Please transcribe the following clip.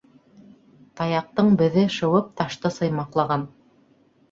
Таяҡтың беҙе шыуып ташты сыймаҡлаған.